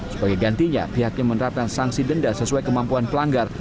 sebagai gantinya pihaknya menerapkan sanksi denda sesuai kemampuan pelanggar